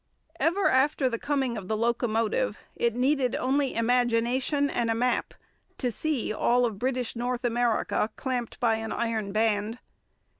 Ever after the coming of the locomotive, it needed only imagination and a map to see all British North America clamped by an iron band.